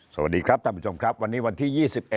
สวัสดีครับท่านผู้ชมครับวันนี้วันที่๒๑